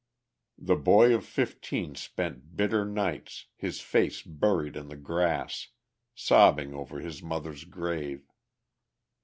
The boy of fifteen spent bitter nights, his face buried in the grass, sobbing over his mother's grave.